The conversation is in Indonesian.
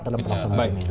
dalam pelaksanaan pemilu